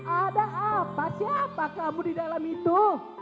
ada apa siapa kamu di dalam itu